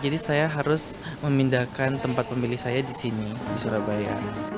jadi saya harus memindahkan tempat pemilih saya di sini di surabaya